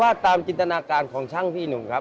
ว่าตามจินตนาการของช่างพี่หนุ่มครับ